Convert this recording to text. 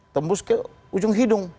tembus ke ujung hidung